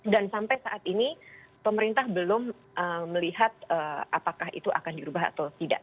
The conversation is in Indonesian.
dan sampai saat ini pemerintah belum melihat apakah itu akan dirubah atau tidak